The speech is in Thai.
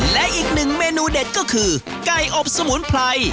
และอีกหนึ่งเมนูเด็ดก็คือไก่อบสมุนไพร